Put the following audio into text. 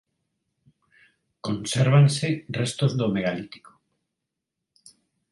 Consérvanse restos do Megalítico.